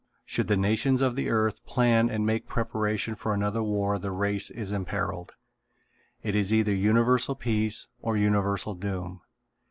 Should the nations of the earth plan and make preparation for another war the race is imperilled. It is either universal peace or universal doom.